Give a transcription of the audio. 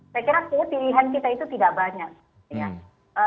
saya kira pilihan kita itu tidak banyak